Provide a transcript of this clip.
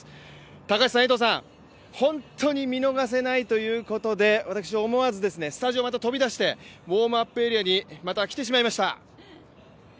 高橋さん、江藤さん、本当に見逃せないということで、私思わずスタジオを飛びだしてウォームアップエリアにまた来てしまいました。